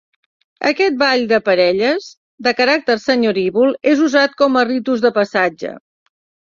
Aquest ball de parelles, de caràcter senyorívol, és usat com a ritus de passatge.